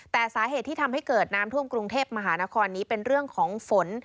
แต่สาเหตุที่ทำให้เกิดน้ำท่วมกรุงเทพมหานครนี้เป็นเรื่องของฝน